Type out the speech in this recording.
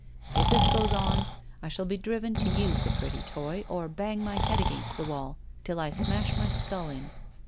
If this goes on, I shall be driven to use the pretty toy or bang my head against the wall till I smash my skull in.